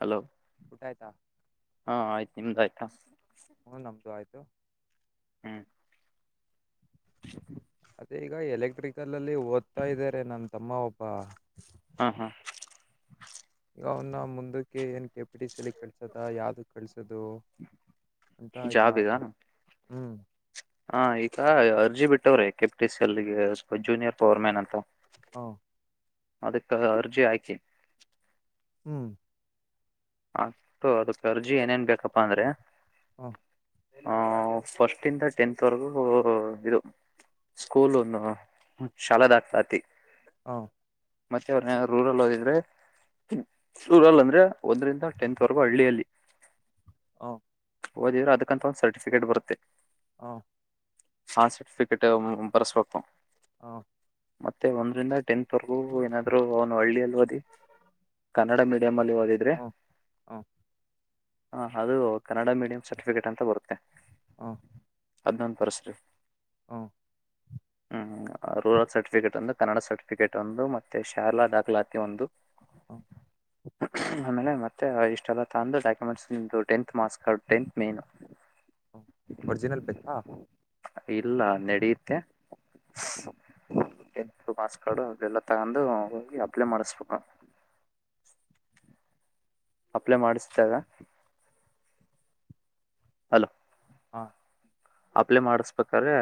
Hello ಊಟ ಆಯ್ತಾ ಹಾ ಆಯ್ತು ನಿಮ್ದ ಆಯ್ತಾ ಹಣ ನಮದು ಆಯ್ತ ಹ್ಮ್ ಅದೇ ಈಗ ಎಲೆಕ್ಟ್ರಿಕಲ್ತ ಅಲ್ಲಿ ಓದ್ತಾ ಇದಾರೆ ನನ್ ತಮ್ಮ ಒಬ್ಬ ಹಾ ಹಾ ಗ ಅವನ್ನ ಮುಂದಕ್ಕೆ ಏನ್ ಕೆ ಪಿ ಟ ಸಿಲ್ಲಿ ಕಳ್ಸದ ಯಾವ್ದು ಕಳಸೋದು ಅಂತ ಇದ ಮಾಡ್ತಾ ಇ ಹ್ಮ್. ಹ ಈಗ ಅರ್ಜಿ ಬಿಟ್ಟವ್ರೆ ಕೆಪಿ ಟ ಸಿ ಎಲ್ಲಿಗೆ ಜೂನಿಯರ್ ಪವರ್ ಮ್ಯಾನ್ ಅಂತ. ಹ ಅದಕ್ಕ ಅರ್ಜಿ ಹಾಕಿ. ಹ್ಮ್. ಅತು ಅದಕ್ ಅರ್ಜಿ ಏನೇನ್ ಬೇಕಪ್ಪಾ ಅಂದ್ರೆ. ಹ್ಮ. ಆ ಫಸ್ಟ್ ಇಂದ ಟೆಂತ್ ವರೆಗೂ ಇದು. ಸ್ಕೂಲ್ನ್ನು ಶಾಲಾ ದಾಖಲಾತಿ. ಹ. ಮತ್ತೆ ಅಣ್ಣಾ ರೂರಲ್ ಹದಿದ್ರೆ ರೂರಲ್ ಅಂದ್ರೆ. ಒಂದರಿಂದ ಟೆಂತ್ವರೆಗೂ ಹಳ್ಳಿಯಲ್ಲಿ. ಹ. ಓದಿದ್ರೆ ಅದಕ್ಕಂತ ಒಂದ್ ಸರ್ಟಿಫಿಕೇಟ್ ಬರುತ್ತೆ. ಹ. ಾನ್ ಸರ್ಟಿಫಿಕೇಟ್ ಬರ್ಸ್ಬೇಕು. ಹ. ಮತ್ತೆ ಒಂದರಿಂದ ಟೆಂತ್ ವರೆಗೂ ಏನಾದ್ರೂ ಅವನು ಹಳ್ಳಿಅಲ್ಲಿ ಓದಿ. ಕನ್ನಡ ಮೀಡಿಯಂ ಅಲ್ಲಿ ಓದಿದ್ರೆ. ಹ. ಹ ಅದು ಕನ್ನಡ ಮೀಡಿಯಂ ಸರ್ಟಿಫಿಕೇಟ್ ಅಂತ ಬರುತ್ತೆ. ಹ. ಅದನ್ನೊಂದ ತರ್ಸಿ. ಹ. ಹ್ಮ್ ರೂರಲ್ ಸರ್ಟಿಫಿಕೇಟ್ ಒಂದು ಕನ್ನಡ ಸರ್ಟಿಫಿಕೇಟ್ ಒಂದು ಮತ್ತೆ ಶಾಲಾ ದಾಖಲಾತಿ ಒಂದು. [inaudible] ಆಮೇಲೆ ಮತ್ತೆ ಇಷ್ಟೆಲ್ಲ ತಂದು documents tenth marks card tenth ಮೆನು. ಒರಿಜಿನಲ್ ಬೆೇಕಾ. ಇಲ್ಲ ನಡೆಯತ್ತೆ. ಮಾಸ್ ಕಾರ್ಡು ಅದೆಲ್ಲ ತಗೊಂಡು ಹೋಗಿ ಅಪ್ಲೈ ಮಾಡಸ್ಬೇಕು. [inaudible] ಅಪ್ಲೈ ಮಾಡಿಸತಾಗ. ಹಲೋ. ಹಾ. ಅಪ್ಲೈ ಮಾಡಸ್ಬೇಕಾದ್ರೆ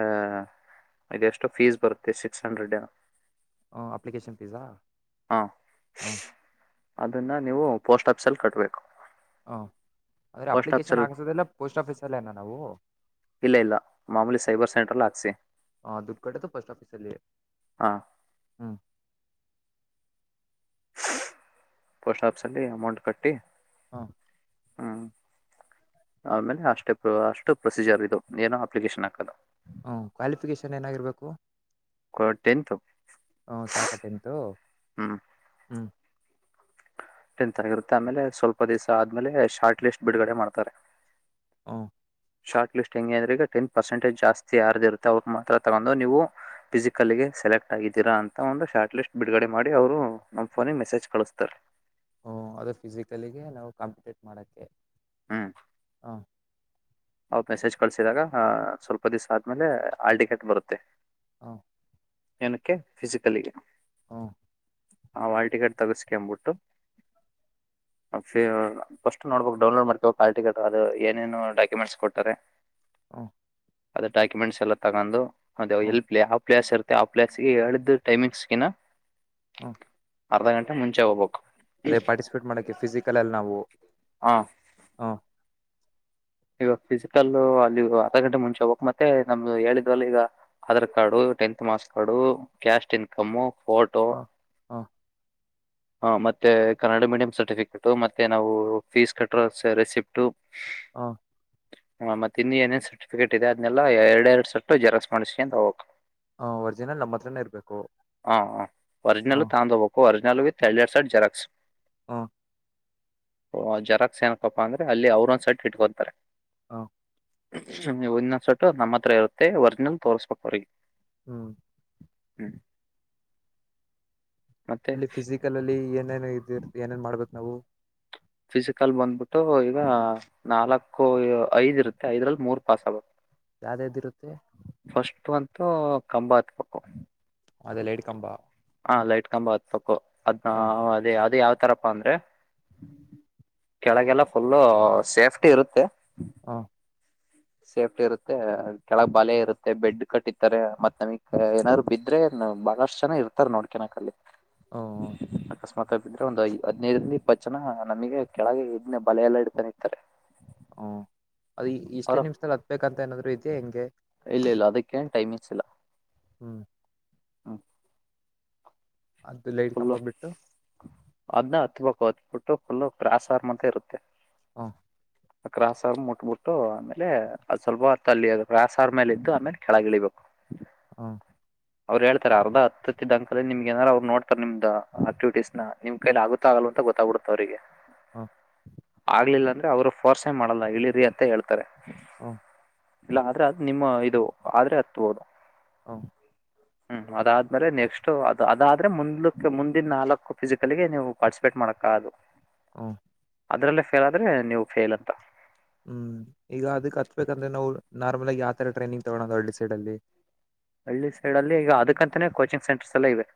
ಇ ಎಷ್ಟೋ ಫೀಸ್ ಬರುತ್ತೆ ಸಿಕ್ಸ್ ಹಂಡ್ರೆಡ್. ಹ ಅಪ್ಲಿಕೇಶನ್ ಫೀಸಾ. ಹಾ ಹ ಅದನ್ನ ನೀವು ಪೋಸ್ಟ್ ಆಫೀಸಲ್ಲಿ ಕಟ್ಬೇಕು. ಹಾ ಆದರೆ ಅಪ್ಲಿಕೇಶನ್ ಆಗಸೋದೆಲ್ಲ ಪೋಸ್ಟ್ ಆಫೀಸಲ್ಲೇ ಅನ ನಾವು. ಇಲ್ಲ ಇಲ್ಲ ಮಾಮೂಲಿ. ಸೈಬರ್ ಸೆಂಟ್ರಲ್ಲಿ ಹಾಕ್ಸಿ ಹ ದೂಡ್ಕಟ್ಟ ಪೋಸ್ಟ್ ಆಫಿಸ ಅಲ್ಲಿ ಹಾಂ ಹ್ಮ್. ಪೋಸ್ಟ್ ಆಫೀಸಲ್ಲಿ ಅಮೌಂಟ್ ಕಟ್ಟಿ. ಹಾ. ಹ್ಮ್ ಆಮೇಲೆ ಅಷ್ಟೇ ಅಷ್ಟು ಪ್ರೊಸೀಜರ್ ಇದು ಏನೋ ಅಪ್ಲಿಕೇಶನ್ ಹಾಕದು. ಹ್ಞ ಕ್ವಾಲಿಫಿಕೇಶನ್ ಏನಾಗಿರ್ಬೇಕು. ಟೆಂತು ಹ್ಮ ಸಾಕ ಟ್ಟೆಂತು ಹ್ಞೂ ಹ್ಮ್. ತರರುತ್ತೆ ಆಮೇಲೆ ಸ್ವಲ್ಪ ದಿವ್ಸ ಆದ್ಮೇಲೆ ಶಾರ್ಟ್ ಲಿಸ್ಟ್ ಬಿಡುಗಡೆ ಮಾಡ್ತಾರೆ. ಹ. ಶಾರ್ಟ್ ಲಿಸ್ಟ್ ಹೆಂಗೆ ಅಂದ್ರೆ ಈಗ ಟೆನ್ ಪರ್ಸೆಟೇಜ್ ಜಾಸ್ತಿ ಯಾರ್ದ ಇತ್ತ ಅವಿಗೆ ಮಾತ್ರ ತಗೊಂಡು ನೀವು. ಫಿಸಿಕಲ್ಗೆ ಸೆಲೆಕ್ಟ್ ಆಗಿದ್ದೀರಾ ಅಂತ ಒಂದು ಶಾರ್ಟ್ ಲಿಸ್ಟ್ ಬಿಡುಗಡೆ ಮಾಡಿ ಅವರು ನಮ್ಮ ಫೋನಿಗೆ ಮೆಸೇಜ್ ಕಳಿಸ್ತಾರೆ. ಹ ಅದು ಫಿಸಿಕಲಿಗೆ ನಾವು ಕಾಂಪಿಟೇಟ್ ಮಾಡಕ್ಕೆ ಹ್ಞೂ ಹಾ. ಅವ್ರು ಮೆಸೇಜ್ ಕಳಸಿದಾಗ ಸ್ವಲ್ಪ ದಿವಸ ಆದ್ಮೇಲೆ ಹಾಲ್ ಟಿಕೆಟ್ ಬರುತ್ತೆ ಹಾ ಏನಕ್ಕೆ ಫಿಸಿಕಲಿಗೆ ಹಾ ಹಾಲ್ ಟಿಕೆಟ್ ತಗಸ್ಕೊಂಬಬಿಟ್ಟು ಫಸ್ಟ್ ನೋಡ್ಬಕ್ ಡೌನ್ಲೋಡ್ ಮಾಡ್ಕೊಕ್ ಕಾಲ್ ಟಿಕೆಟ್ ಅದು ಏನೇನು ಡಾಕ್ಯುಮೆಂಟ್ಸ್ ಕೊಟ್ಟಾರೆ ಹ್ಮ ಅದ ಡಾಕ್ಯುಮೆಂಟ್ಸ್ ಎಲ್ಲ ತಗೊಂಡು ಹ ಎಲ್ಪ್ ಯಾವ ಪ್ಲೇಸ್ರ್ ಆ ಪ್ಲೇಸ್ಗೆ ಹೇಳಿದ್ದ ಟೈಮಿಂಗ್ಸ್ಗೆಿನ ಹಾ ಅರ್ಧ ಗಂಟೆ ಮುಂಚೆ ಹೋಗ್ಬೇಕು ಅದೇ ಪಾರ್ಟಿಸಿಪೇಟ್ ಮಾಡಕೆ ಫಿಸಿಕಲ್ ಅಲ್ಲಿ ನಾವು ಹಾ ಹ ಇವಾಗ ಫಿಸಿಕಲ್ ಅಲ್ಲಿ ಅರ್ಧ ಗಂಟೆ ಮುಂಚೆ ಹೋಗಕ್ ಮತ್ತೆ ನಮ್ದು ಹೇಳಿದ್ವಲ್ಲ ಈಗ Aadhaar card tenth marks card cash income photo ಹ ಹ ಹ ಮತ್ತೆ ಕನ್ನಡ ಮೀಡಿಯಂ ಸರ್ಟಿಫಿಕೇಟ ಮತ್ತೆ ನಾವು ಫೀಸ್ ಕಟ್ಟರ ರೆಸಿಪ್ಟು ಹಾ ಹ ಮತ್ತ ಇಂದು ಏನೇನ್ ಸರ್ಟಿಫಿಕೇಟ್ ಇದೆ ಅದ್ನೆಲ್ಲ ಎರಡೆ ಎರಡು ಸಟ್ಟು ಜೆರಾಕ್ಸ್ ಮಾಡಿಸಕ ಅಂತ ಹೋಗಕ್ ಹ ಒರಿಜಿನಲ್ ನಮ್ಮ ಹತ್ರನೇ ಇರ್ಬೇಕು ಹ ಒರಿಜಿನಲ್ ಹ ತ ಹೋಗಬೇಕು ಜೆರಾಕ್ಸ್ ಹಾ ಓ ಜೆರಾಕ್ಸ್ ಏನಕಪ್ಪಾ ಅಂದ್ರೆ ಅಲ್ಲಿ ಅವ್ರೊಂದ್ ಸೈಡ್ ಇಟ್ಕೊತಾರೆ ಹಾ ವು ಇನ್ನೊಂದ ಸಟ್ಟು ನಮ್ಮ ಹತ್ರ ಇರುತ್ತೆ ವರ್ಜಿನಲ್ ತೋರ್ಸ್ಬೇಕ ಅವ್ರಿ ಹ್ಮ್ ಹ್ಮ್ ಮತ್ತೆ ಅಲ್ಲಿ ಫಿಸಿಕಲ್ ಅಲ್ಲಿ ಏನೇನು ಇದ ಇರ್ ಏನೇನ್ ಮಾಡ್ಬೇಕು ನಾವು ಫಿಸಿಕಲ್ ಬಂದ್ಬಿಟ್ಟು ಈಗ ನಾಲ್ಕು ಐದ್ ಇರುತ್ತೆ ಐದ್ರಲ್ಲಿ ಮೂರ್ ಪಾಸ್ ಆಗು ಯಾವ್ದ್ದ್ ಇರುತ್ತೆ ಫಸ್ಟ್ ಅಂತೂ ಕಂಬ ಹತ್ಬೇಕ್ಕು ಅಲ್ಲ ಎಡ್ಕಂಬಾ ಹ ಲೈಟ್ ಕಂಬ ಹತ್ಪಕ್ಕು ಅದೇ ಅ ಯಾವ ಹತಾರಪ್ಪ ಅಂದ್ರೆ ಕೆಳಗೆಲ್ಲ ಫುಲ್ಲ ಸೇಫ್ಟಿ ಇರುತ್ತೆ ಹಾ ಸೇಫ್ಟಿ ಇರುತ್ತೆ ಕೆಳಗ್ ಬಾೆ ಇರುತ್ತೆ ಬೆಡ್ ಕಟ್ಟತಾರೆ ಮತ್ತತ್ ನಮಗ್ ಏನಾದ್ರು ಬಿದ್ರೆ ಬಹಳಷ್ಟು ಜನ ಇರ್ತ ನೋಡ್ಕಿನಕ್ ಅಲ್ಲಿ ಹ ಮತ್ತ ಬಿದ್ರೆ ಒಂದು ಹದ್ೈದರಿಂದ ಇಪ್ಪತ್ತು ಜನ ನಮಗೆ ಕೆಳಗೆ ಎದ್ ಬಲ ಎಲ್ಲಾ ಇಡ್ತಾನೆ ಇರ್ತಾರೆ ಹ ಅದು ಇಷ್ಟೇ ಅವ್ರ ನಿಮ್ಷದಲ್ಲಿ ಹತ್ಬೇಕಂತ ಏನಾದ್ರು ಇದೆಯಾ ಹೆಂಗೆ ಸಿಲ ಹ್ಮ್ ಅದು ಲೈಟ್ ಕಂಬ ಫುಲ್ಲು ಬಿಟ್ಟು ಅದನ್ನ ಹತ್ಬೇಕು ಹೊತ್ಬಿಟ್ಟು ಫುಲ್ಲು ಕ್ರಾಸಾರ ಅಂತ ಇರುತ್ತೆ ಹಾ ಕ್ರಾಸಾರ ಮುಟ್ಬಿಟ್ಟು ಆಮೇಲೆ ಅದು್ ಸ್ವಲ್ಪ ಹೊರ್ತ ಅಲ್ಲಿ ಕ್ರಾಸಾರ ಮೇಲೆ ಇದ್ದು ಆಮೇಲೆ ಕೆಳಗಿಳಿಬೇಕು ಹಾ ಅವ್ರು ಹೇಳ್ತ ಅರ್ಧ ಹತ್ತಿದ್ದ ದಂಕಾಲ ನಿಮಗೆ ನಾರ ಅವ್ರರು ನೋ ನಿಮ್ದ್ ಆಕ್ಟಿವಟೀಸ್ ನ ನಿಮ್ ಕೈಲಿ ಆಗುತ್ತಾ ಆಗಲ್ಲ ಅಂತ ಗೊತ್ತಾಗ ಬಿಡುತ್ತೆ ಅವ್ರರಿಗೆ ಹ ಆಗ್ಲಿಲ್ಲ ಅಂದ್ರೆ ಅವರು ಫೋರ್ಸೆ ಮಾಡಲ್ಲ ಇಳಿರಿ ಅಂತ ಹೇಳ್ತಾರೆ ಹಾ ಇಲ್ಲ ಆದ್ರೆ ಅದ್ ನಿಮ್ಮ ಇದು ಆದ್ರೆ ಹತ್ಬೋದು. ಹ. ಹ್ಮ್ ಅದಾದ್ಮೇಲೆ ನೆಕ್ಸ್ಟ್ ಅದ ಅದಾದ್ರ. ಮುಂದಲಿಕ್ಕೆ ಮುಂದಿನ ನಾಲ್ಕು ಫಿಸಸಿಕಲ್ಗೆ ನೀವು ಪಾರ್ಟಿಸಿಪೇಟ್ ಮಾಡಕ ಅದು. ಹಾ. ಅದ್ರಲ್ಲೇ ಫೇಲ್ ಆದ್ರೆ ನೀವು ಫೇಲ್ ಅಂತ. ಹ್ಮ್ ಈಗ ಅದಕ್ ಹತ್ಬೇಕಂದ್ರೆ ನಾವು ನಾರ್ಮಲ್ ಆಗಿ ಯಾವತರ ಟ್ರೈನಿಂಗ್ ತಗೋಳದ ಹಳ್ಳಿ ಸೈಡ್ ಅಲ್ಲಿ. ಹಳ್ಳಿ ಸೈಡ್ ಅಲ್ಲಿ ಈಗ ಅದಕ್ಕಂತನೇ ಕೋಚಿಂಗ್ ಸೆಂಟರ್ಸ್ ಎಲ್ಲ ಇವೆ.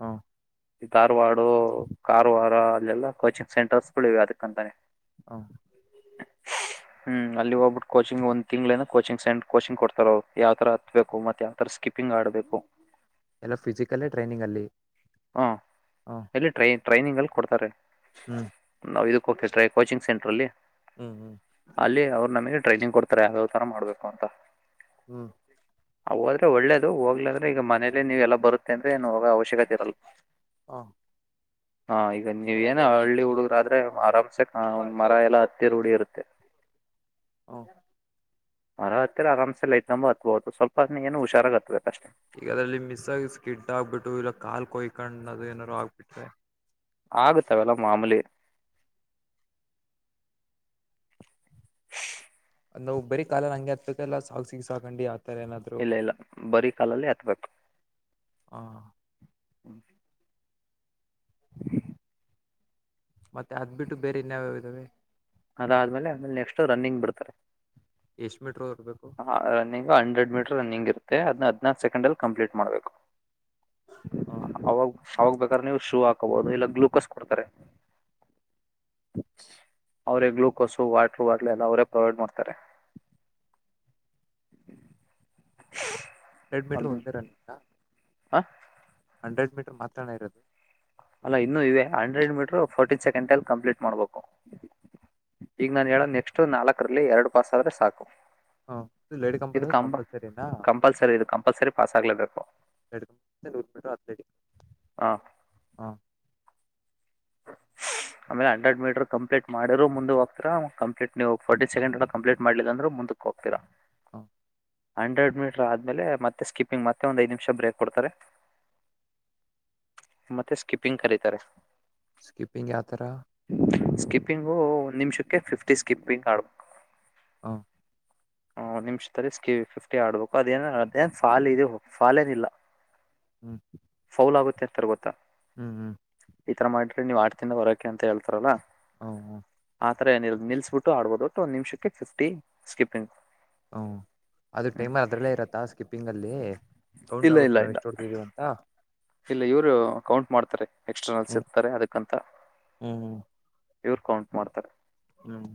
ಹಾ. ಧಾರವಾಡ ಕಾರವಾರ ಅಲ್ಲೆಲ್ಲಾ ಕೋಚಿಂಗ್ ಸೆಂಟರ್ಸ್ಗಳಿವೆ ಅದಕ್ಕಂತಾನೆ. ಹಾ. ಹ್ಮ್ ಅಲ್ಲಿ ಹೋಗ್ಬಿಟ್ಟ ಕೋಚಿಂಗ ಒಂದ್ ತಿಂಗಳ ಏನೋ ಕೋಚಿಂಗ್ ಸೇಂಟ್ ಕೋಚಿಂಗ್ ಕೊಡ್ತಾರ ಅವರು ಯಾವ್ ತರ ಹತ್ಬೇಕು ಮತ್ ಯಾವ ತರ ಸ್ಕಿಪ್. ಪಿಂಗ್ ಆಡ್ಬೇಕು. ಎಲ್ಲ ಫಿಸಿಕಲ್ಲೇ ಟ್ರೈನಿಂಗ್ ಅಲ್ಲಿ. ಹಾ ಹಾ ಎಲ್ಲಿ ಟ್ರೈ ಟ್ರೈನಿಂಗ ಅಲ್ಲಿ ಕೊಡ್ತಾರೆ ಹ್ಮ್ ನಾ. ಓಕೆ ಕೋಚಿಂಗ್ ಸೆಂಟ್ರಲ್ಲಿ ಹ್ಮ್ ಹ್ಮ್ ಅಲ್ಲಿ ಅವ್ರು ನಮಗೆ. ಟ್ರೈನಿಂಗ್ ಕೊಡ್ತಾರೆ ಯಾವ್ಯಾವ ತರ ಮಾಡ್ಬೇಕು ಅಂತ. ಹ್ಮ್. ಹೋದ್ರೆ ಒಳ್ಳೇದು ಹೋಗ್ಲಿಲ್ಲ ಅಂದ್ರೆ ಈಗ ಮನೆಲ್ಲೆ ನೀವೆಲ್ಲ ಬರುತ್ತೆ ಅಂದ್ರೆ ಏನು ಹೋಗೋ ಅವಶ್ಯಕತೆ ಇರಲ್ಲ. ಹಾ. ಹಾ ಈಗ ನೀವ ಏನ ಹಳ್ಳಿ ಹುಡುಗ್ರಾದ್ರೆ ಆರಾಮ್ಸೆ ಒಂದ್ ಮರ ಎಲ್ಲಾ ಹತ್ತಿರ ರೂಡಿ ಇರುತ್ತೆ. [inaudible] ಮರ ಹತ್ತಿರ ಆರಾಮ್ಸೆ ಲೈಟ್ ಕಂಬ ಹತ್ಬಹುದು ಸ್ವಲ್ಪ ಏನು ಹುಷಾರಾಗ ಹತ್ಬೇಕು ಅಷ್ಟೆ. ಈಗದ್ರಲ್ಲಿ ಮಿಸ್ ಆಗ ಸ್ಕಿಡ್ ಆಗ್ಬಿಟ್ಟು ಇಲ್ಲ ಕಾಲ್ ಕೊಯ್ಕೊಂಡ್ ಅದು ಏನಾದಾರರು ಆಗ್ಬಿಟ್ರೆ. ಆಗತ್ತ ಅವೆಲ್ಲ ಮಾಮಲಿ. ನಾವು ಬರಿ ಕಾಲ ಹಂಗೆ ಆತಕ್ಕಲ್ಲ ಸಾಗ ಸಿಗ ಸಾಕೊಂಡಿ ಆ. ಇಲ್ಲ ಇಲ್ಲ ಬರಿ ಕಾಲಲ್ಲಿ ಹತ್ಬೇಕು. ಹಾ. ಹ್ಮ್. [inaudible] ಮತ್ತೆ ಅದ್ ಬಿಟ್ಟು ಬೇರೆ ಇನ್ಯಾವ್ಯಾವು ಇದ್ದಾವೆ. ಅದಾದ್ಮೇಲೆ ನೆಕ್ಸ್ಟ್ ರನ್ನಿಂಗ್ ಬಿಡ್ತಾರೆ. ಎಷ್ಟು ಮೀಟ್ರೂ ಹೊ. ಹಾ ರನ್ನಿಂಗ್ ಹಂಡ್ರೆಡ್ ಮೀಟರ್ ರನ್ನಿಂಗ್ ಇರುತ್ತೆ ಅದ್ ಹದಿನಾರು ಸೆಕೆಂಡ್ ಅಲ್ಲಿ ಕಂಪ್ಲೀಟ್ ಮಾಡ್ಬೇಕು. ಹ ಅವಾಗ. ಆವಾಗ ಬೇಕಾದ್ರೆ ನೀವು ಶೂ ಹಾಕೋಬಹುದು ಇಲ್ಲ ಗ್ಲೂಕೋಸ್ ಕೊಡ್ತಾರೆ. ಅವರೇ ಗ್ಲುೂಕೋಸ ವಾಟ್ರು ಆಗ್ಲೆ ಎಲ್ಲ ಅವರೇ ಪ್ರೊವೈಡ್ ಮಾಡ್ತಾರೆ. [inaudible] ಎರೆಡ್ ಮೀಟರು ಒಂದೇ ರನ್ನಂತ. ಹ. ಹಂಡ್ರೆಡ್ ಮೀಟರ್ ಮಾತ್ರನೇ ಇರೋದು. ಅಲ್ಲ ಇನ್ನು ಇವೆ ಹಂಡ್ರೆಡ್ ಮೀಟರು ಫೋರ್ಟಿ ಸೆಕೆಂಡ್ ಅಲ್ಲಿ ಕಂಪ್ಲೀಟ್ ಮಾಡ್ಬೇಕು. ಈಗ ನಾನ್ ಹೇಳದ ನೆಕ್ಸ್ಟ್ ನಾಲ್ಕರಲ್ಲಿ ಎರಡು ಪಾಸ್ ಆದ್ರೆ ಸಾಕು. ಲೇಡಿ ಇದು ಕಂಬದ ಕಂಪ ಕಂಪಲ್ಸರಿನಾ ಕಂಪಲ್ಸರಿ ಇದು ಕಂಪಲ್ಸರಿ ಪಾಸ್ ಆಗ್ಲೇಬೇಕು. ಎರಡು [inaudible] ಹಾ. [inaudible] ಆಮೇಲೆ ಹಂಡ್ರೆಡ್ ಮೀಟರ್ ಕಂಪ್ಲೀಟ್ ಮಾಡಿದ್ರು ಮುಂದೆ ಹೋಗ್ತರ ಕಂಪ್ಲೀಟ್ ಫೋರ್ಟಿ ಸೆಕೆಂಡ್ ಕಂಪ್ಲೀಟ್ ಮಾಡಲಿಲ್ಲ ಅಂದ್ರೆ. ಹೋಗ್ತೇರ. ಹಾ ಹಂಡ್ರೆಡ್ ಮೀಟರ್ ಆದ್ಮೇಲೆ ಮತ್ತೆ ಸ್ಕಿಪಿಂಗ್ ಮತ್ತೆ ಒಂದ್ ಐದ್ ನಿಮಿಷ ಬ್ರೇಕ್ ಕೊಡ್ತಾರೆ. ಮತ್ತೆ ಸ್ಕಿಪ್ಪಿಂಗ್ ಕರೀತಾರೆ. ಸ್ಕಿಪಿಂಗ್ ಯತಾರ. ಸ್ಕಿಪಿಂಗು ವನ್ ನಿ‍ಮಿಷಕ್ಕೆ ಫಿಫ್ಟಿ ಸ್ಕಿಪಿಂಗ್ ಆಡ್ಬೇಕು. ಹಾ ನಿಮಿಷದಲ್ಲಿ ಫಿಫ್ಟಿ ಆಡ್ಬೇಕು ಅದೇನ್ ಏನ್ ಫಾಲ್ ಇ ಫಾಲಏನ ಇಲ್ಲ. ಹ್ಮ ಆಗುತ್ತೆ ಅಂತ ಗೊತ್ತ. ಹ್ಮ್ ಹ್ಮ್ ಈತರ ಮಾಡ್ರಿ ನೀವು್ ಆಟದಿಂದ ಹೂರಕೆ ಅಂತ ಹೇಳ್ತಾರಲ್ಲ ಹ ಹ ನಿಲ್ಸ್ಬಿಟ್ಟು ಆಡ್ಬೋದು ಒಂದ ನಿಮಿಷಕ್ಕೆ ಫಿಫ್ಟಿ ಸ್ಕಿಪಿಂಗ್. ಹ್ಮ ಅದು ಟೈಮರ್ ಅದ್ರಲ್ಲೇ ಇರತ್ತಾ ಸ್ಕಿಪ್ಪಿಂಗ್ ಅಲ್ಲಿ. ಕೌಂಟ್ ಇಲ್ಲ ಆಗುತ್ತೆ ಇಲ್ಲ ನಾವವು ಇಲ್ಲ ಎಷ್ಟ ಹೊಡ್ತಿದೀವಿ ಅಂತ. ಇಲ್ಲ ಇವರು ಕೌಂಟ್ ಮಾಡ್ತಾರೆ ಎಕ್ಸ್ಟರ್ನಲ್ಸ್ ಹ್ಮ್ ಇರ್ತಾರೆ ಅದಕ್ಕಂತ. ಹ್ಮ್ ಇವರು ಕೌಂಟ್ ಮಾಡ್ತಾರೆ. ಹ್ಮ್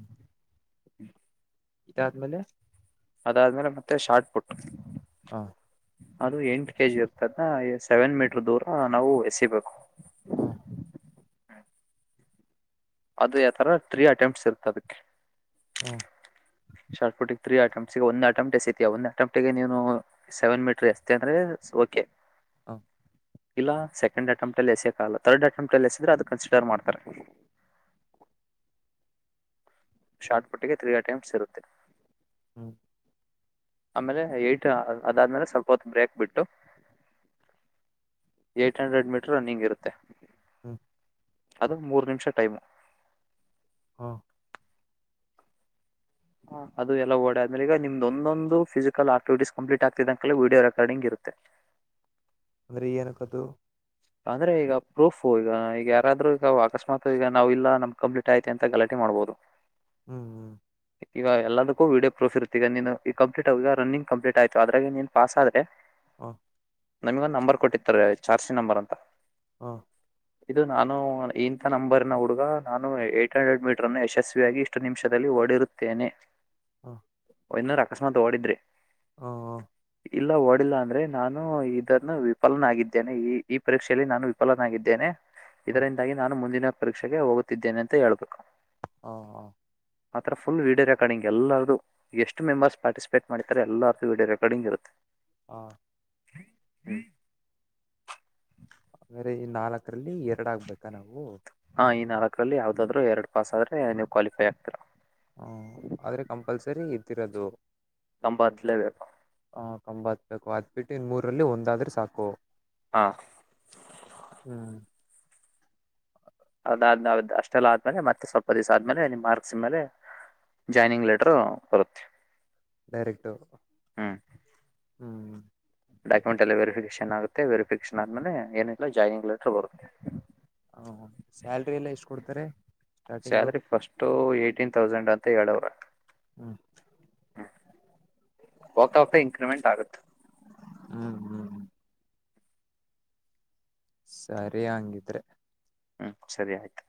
[inaudible] ಇದಾದ್ಮೇಲೆ. ಅದಾದ್ಮೇಲೆ ಮತ್ತೆ ಶಾರ್ಟ್ ಪುಟ್. ಹಾ ಅದು ಎಂಟು ಕೆ ಜಿ ಇರ್ತದ ಸೆವೆನ್ ಮೀಟರ್ ದೂರ ನಾವು ಎಸಿಬೇಕು. ಹಾ ಅದು ಯಾವಥರ ತ್ರೀ ಅಟೆಂಪ್ಟ್ಸ್ ಇರ್ತ ಅದಕ್ಕೆ. ಹ್ಮ್ ಶಾರ್ಟ್ಪಟ್ ತ್ರೀ ಅಟೆಂಪ್ಸ್ ಒಂದಂದು ಅಟೆಂ್ಟಟ್ ಎಸ ಒಂದು ಅಟೆಂಪ ಗೆ ನೀನು ಸೆವೆನ್ೀರ್ ಎಸ್ ಅಂದ್ರೆ. ಓಕೆ. [unintelligible] ಇಲ್ಲ ಸೆಕೆಂಡ್ ಅಟೆಂಪ್ಟ್ ಅಲ್ಲಿ ಎಸೋಕಲ್ಲ ತರ್ಡ್ ಅಟೆಂ್ಟ್ ಅಲ್ಲಿ ಎಸಿದ್ರೆ ಅದ ಕನ್ಸಿರ್ ಮಾಡ್ತಾರೆ. ಶಾರ್ಟ್ ಪಟ್ಟಿಗೆ ತ್ರೀ ಅಟೆಂಪ್ಟ್ಸ್ ಇರುತ್ತೆ. ಹ್ಮ್ ಆಮೇಲೆ ಏಟ್ ಅದಾದ್ಮೇಲೆ ಸ್ವಲ್ಪ ಹೊತ್ತು ಬ್ರೇಕ್ ಬಿಟ್ಟು ಏಟ್ ಹಂಡ್ರೆಡ್ ಮೀಟರ್ ರನ್ನಿಂಗ್ ಇರುತ್ತೆ. ಹ್ಮ ಅದು ಮೂರು ನಿಮಿಷ ಟೈಮು. ಹಾ ಹಾ ಅದುದೆಲ್ಲ ಡೆ ಆದೇಲೆ ಈಗ ನಿದೊನಂದು ಫಿಕಲ್ ಆಕ್ಟಿಟ ಕಂಪ್ಲೀ ಆಗ್ತಿದೆ ಅ ಕೇಳ ವಡಿಯೋ ರೆಕಾರ್ಡಿಂಗ್ ಇರುತ್ತೆ. [unintelligible] [unintelligible] ಕದು ಅಂದ್ರೆ ಈಗ ಪ್ರೂಫು ಈಗ ಈಗ ಯಾರಾದ್ರರು ಈಗ ಅಕಸ್ಮಾತ್ ಈಗ ನಾವವು ಇಲ್ಲ ನಮ್ ಕಂಪ್ಲೀಟ್ ಆಯತಿ ಅಂತ ಗಲಾಟೆ ಮಾಡ್ಬೋದು‌. ಹ್ಮ್ ಹ್ಮ್ ಈಗ ಎಲ್ಲದಕ್ಕೂ ವಿಡಿಯೋ ಪ್ರೂಫ್ ಇರುತ್ತ ಈಗ ನೀನು ಈ ಕಂಪ್ಲೀಟ್ ಈ ರಿಂಗ್ ಕಂಪ್ಲೀಟ್ ಆಯ್ತು ಅದ್ರಗ್ ನೀನ್ ಪಾಸ್ ಆದ್ರೆ ಹಾ ನಮಗೊಂದ್ ನಂಬರ್ ಕೊಟ್ಟಿತ್ತಾರೆ ಚಾರ್ಸಿ ನಂಬರ್ ಅಂತ. ಹಾ ಇದು ನಾನು ಇಂತ ನಂಬರ್ನ ಹುಡುಗ ನಾನು ಏಟ್ ಹಂಡ್ರೆಡ್ ಮೀಟರ್ ನ ಯಶಸ್ವಿಯಾಗಿ ಇಷ್ಟು ನಿಮಿಷದಲ್ಲಿ ಓಡಿರುತ್ತ ತೇನೆ. ಹಾ ವಿನ್ನೂರ್ ಅಕಸ್ಮಾತ್ ಓಡಿದ್ರೆ. ಹ ಹ ಇಲ್ಲ ಓಡಿಲ್ಲ ಅಂದ್ರೆ ನಾನು ಇದನ್ನು ವಿಫಲನಾಗಿದ್ದೇನೆ ಈ ಈ ಪರೀಕ್ಷೆಯಲ್ಲಿ ನಾನು ವಿಫಲನಾಗಿದ್ದೇನೆ. ಹ ಹ ಇದರಿಂದಾಗಿ ನಾನು ಮುಂದಿನ ಪರೀಕ್ಷೆಗೆ ಹೋಗುತ್ತಿದ್ದೇನೆ ಅಂತ ಹೇಳ್ಬೇಕು. ಹಾ ಹಾ. ಆ ಥರ ಫುಲ್ ವಡಿಯೋ ರೆಕಾರ್ಡಿಂಗ್ ಎಲ್ಲಾರದು ಎಷ್ಟು ಮೆಂಬರ್ಸ್ ಪಾರ್ಟಿಸಿಪೇಟ್ ಮಾಡತಾರೆ ಎಲ್ಲಾರದು ವಿ ಡಿಯೋ ರೆಕಾರ್ಡಿಂಗ್ ಇರುತ್ತೆ. ಹಾ [inaudible] ಹ್ಮ ಹ್ಮ್ [inaudible] ಆದೇರೆ ನಾಲ್ಕರಲ್ಲಿ ಎರಡು ಆಗ್ಬೇಕಾ ನಾವು. ಹ ಈ ನಾಲ್ಕರಲ್ಲಿ ಯಾವ್ದಾದ್ರು ಎರಡು ಪಾಸ್ ಆದ್ರೆ ನೀವು ಕ್ವಾಲಿಫೈ ಆಗ್ತೀರ. ಹ್ಮ ಆದ್ರೆ ಕಂಪಲ್ಸರಿ ಇದ್ದಿರೋದು. ಕಂಬ ಹಾತ್ಲೇಬೇಕು. ಹ ಕಂಬ ಹತ್ಬೇಕು ಅದ್ ಬಿಟ್ಟು ಇನ್ ಮೂರಲ್ಲಿ ಒಂದಾದ್ರೆ ಸಾಕು. ಹಾ ಹ್ಮ್ [inaudible] ಅದಾದ ಆದ್ಮ್ದ್ ಅಷ್ಟೆಲ್ಲ ಆದ್ಮೇಲೆ ಮತ್ತೆ ಸ್ವಲ್ಪ ದಿವಸ ಆದ್ಮೇಲೆ ನಿಮ್ ಮಾರ್ಕ್ಸ್ಮೇಲೆ. ಜಾಯ್ನಿಂಗ್ ಲೆಟರು ಬರುತ್ತೆ. ಡೈರೆಕ್ಟ್ ಹ್ಮ್ ಹ್ಮ್. ಡಾಕ್ಯುಮೆಂಟ್ ಎಲ್ಲ ವೆರಿಫಿಕೇಶನ್ ಆಗುತ್ತೆ ವೆರಿಫಿಕೇೇಶನ್ ಆದ್ಮೇಲೆ ಏನಿಲ್ಲ ಜಾಯನಿಂಗ್ ಲೆಟರ್ ಬರುತ್ತೆ. ಸ್ಯಾಲ್ರಿ ಎಲ್ಲ ಎಷ್ಟ್ ಕೊಡ್ತಾರೆ. Starting salary first eighteen thousand ಅಂತ ಹೇಳವ್ರ. ಹ್ಮ್ [inaudible] ಹೋಗ್ತವತ ಇನ್ಕ್ರಿಮೆಂಟ್ ಆಗುತ್ತ. ಹ್ಮ್ ಹ್ಮ್. ಸರಿ ಅಂಗಿದ್ರೆ. ಹ್ಮ್ ಸರಿ ಆಯ್ತು.